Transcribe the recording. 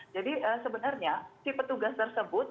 sebenarnya si petugas tersebut